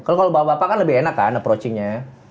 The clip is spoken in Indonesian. kalau bapak kan lebih enak kan approachingnya